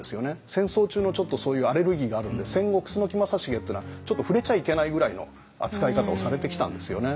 戦争中のちょっとそういうアレルギーがあるんで戦後楠木正成っていうのはちょっと触れちゃいけないぐらいの扱い方をされてきたんですよね。